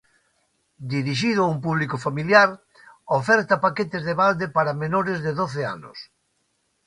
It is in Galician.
Dirixido a un público familiar, oferta paquetes de balde para menores de doce anos.